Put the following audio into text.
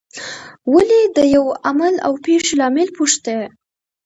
ولې د یوه عمل او پېښې لامل پوښتي.